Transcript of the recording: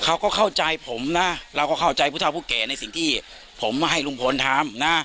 เขาก็เข้าใจผมนะเราก็เข้าใจผู้เท่าผู้แก่ในสิ่งที่ผมมาให้ลุงพลทำนะ